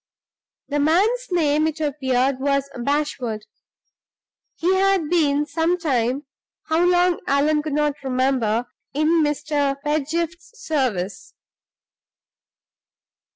The man's name, it appeared was Bashwood. He had been some time (how long, Allan could not remember) in Mr. Pedgift's service.